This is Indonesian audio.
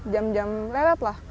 jam jam lewat lah